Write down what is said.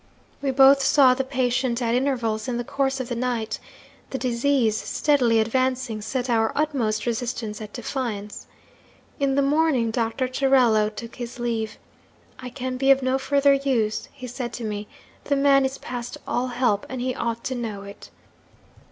'"We both saw the patient at intervals in the course of the night. The disease, steadily advancing, set our utmost resistance at defiance. In the morning Doctor Torello took his leave. 'I can be of no further use,' he said to me. 'The man is past all help and he ought to know it.'